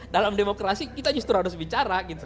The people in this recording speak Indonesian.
dalam demokrasi kita justru harus bicara gitu